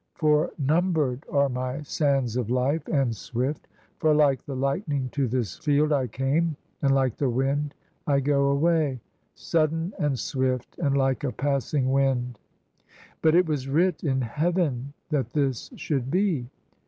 for number'd are my sands of hf e, And swift; for like the lightning to this field I came, and like the wind I go away: Sudden, and swift, and like a passing wind. But it was writ in Heaven that this should be."